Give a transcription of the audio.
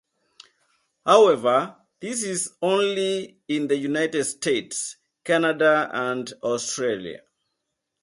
However, this is only in the United States, Canada, and Australia.